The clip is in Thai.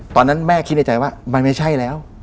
ตอนนั้นแม่คิดในใจว่ามันไม่ใช่แล้ว